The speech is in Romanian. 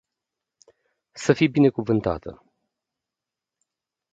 Sa fi binecuvanata.